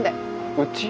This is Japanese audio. うち？